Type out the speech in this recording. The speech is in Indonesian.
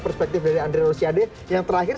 perspektif dari andri rusiade yang terakhir